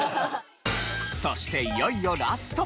そしていよいよラスト。